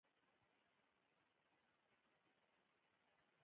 ازادي راډیو د امنیت لپاره د چارواکو دریځ خپور کړی.